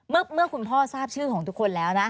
เมื่อคุณพ่อทราบชื่อของทุกคนแล้วนะ